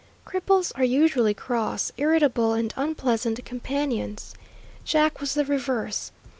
Cripples are usually cross, irritable, and unpleasant companions. Jack was the reverse.